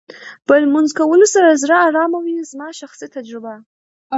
په لمونځ کولو سره زړه ارامه وې زما شخصي تجربه